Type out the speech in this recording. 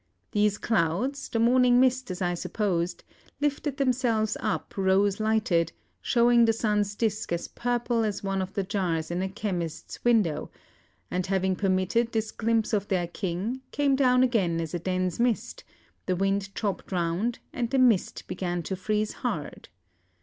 These clouds, the morning mist as I supposed, lifted themselves up rose lighted, showing the sun's disc as purple as one of the jars in a chemist's window, and having permitted this glimpse of their king, came down again as a dense mist; the wind chopped round, and the mist began to freeze hard.